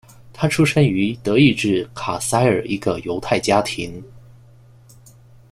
他出生于德意志卡塞尔一个犹太家庭。